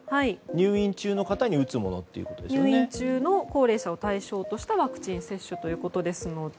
入院中の高齢者を対象としたワクチン接種ということですので。